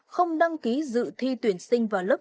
không đăng ký dự thi tuyển sinh vào lớp chín